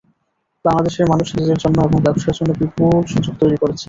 বাংলাদেশের মানুষ নিজেদের জন্য এবং ব্যবসার জন্য বিপুল সুযোগ তৈরি করছেন।